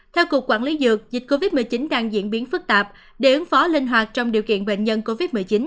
theo cục quản lý dược dịch covid một mươi chín đang diễn biến phức tạp để ứng phó linh hoạt trong điều kiện bệnh nhân covid một mươi chín